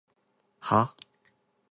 はぁ？